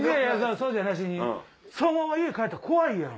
そうじゃなしにそのまま家帰ったら怖いやん。